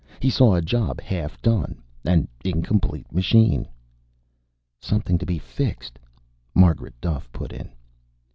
He saw a job half done. An incomplete machine." "Something to be fixed," Margaret Duffe put in.